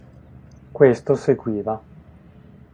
Questo seguiva.